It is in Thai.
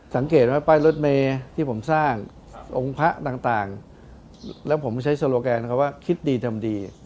สังเกตว่าป้ายรถเมย์ที่ผมสร้างองค์พระต่างแล้วผมใช้โซโลแกนเขาว่าคิดดีทำดี